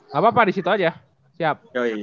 gapapa disitu aja siap